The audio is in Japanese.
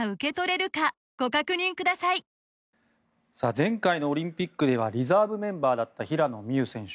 前回のオリンピックではリザーブメンバーだった平野美宇選手。